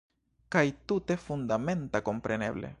Kaj tute fundamenta, kompreneble.